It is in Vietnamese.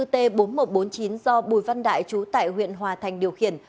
năm mươi bốn t bốn nghìn một trăm bốn mươi chín do bùi văn đại chú tải huyện hòa thành điều khiển